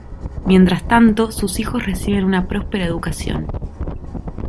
Mientras tanto, sus hijos reciben una próspera educación.